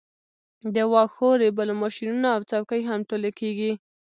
د واښو ریبلو ماشینونه او څوکۍ هم ټولې کیږي